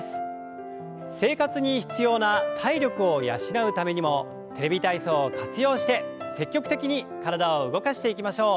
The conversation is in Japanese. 生活に必要な体力を養うためにも「テレビ体操」を活用して積極的に体を動かしていきましょう。